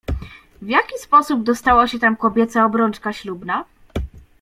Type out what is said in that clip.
"W jaki sposób dostała się tam kobieca obrączka ślubna?"